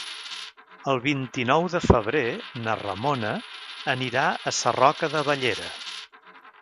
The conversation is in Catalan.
El vint-i-nou de febrer na Ramona anirà a Sarroca de Bellera.